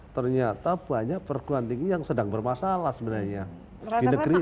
ternyata banyak perguruan tinggi yang sedang bermasalah sebenarnya di negeri ini